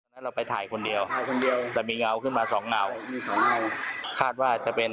แล้วเราไปถ่ายคนเดียวจะมีเงาขึ้นมาสองเงาคาดว่าจะเป็น